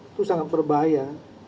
itu sangat berbahaya